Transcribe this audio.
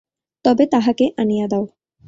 তবে তাহাকে আনিয়া দাও।